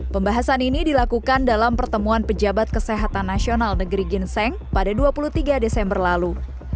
pembahasan ini dilakukan dalam pertemuan pejabat kesehatan nasional negeri ginseng pada dua puluh tiga desember lalu